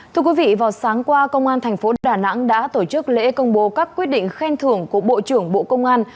thưa quý vị vào sáng qua công an thành phố đà nẵng đã tổ chức lễ công bố các quyết định khen thưởng của bộ trưởng bộ công an